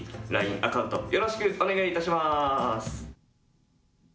アカウント、よろしくお願いいたします。